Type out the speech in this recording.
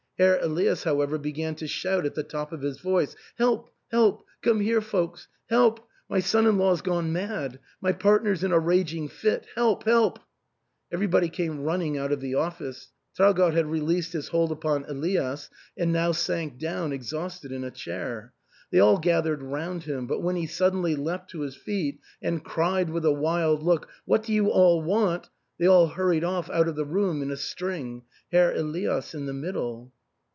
Herr Elias, how ever, began to shout at the top of his voice, " Help ! help ! Come here, folks ! Help ! My son in law's gone mad. My partner's in a raging fit. Help ! help !" Everybody came running out of the office. Traugott had released his hold upon Elias and now sank down exhausted in a chair. They all gathered round him ; but when he suddenly leapt to his feet and cried with a wild look, " What do you all want ?" they all hurried off out of the room in a string, Herr Elias in the mid dle.